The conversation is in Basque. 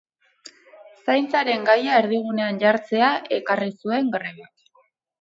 Zaintzaren gaia erdigunean jartzea ekarri zuen grebak.